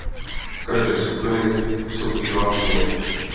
Z každé skupiny postoupí dva týmy.